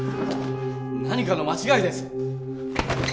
何かの間違いです！